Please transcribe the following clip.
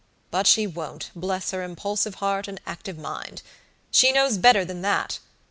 But she won't, bless her impulsive heart and active mind! She knows better than that.